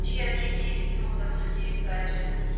يا دې ښې خبري وکړي او يا دې چپ پاته سي.